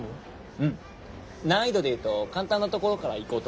うん難易度で言うと簡単なところからいこうと思って。